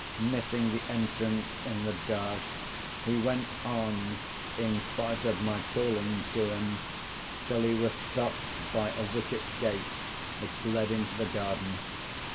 Missing the entrance in the dark, he went on (in spite of my calling to him) till he was stopped by a wicket gate which led into the garden.